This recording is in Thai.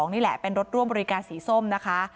นี่แหละเป็นรถร่วมบริการสีส้มนะคะ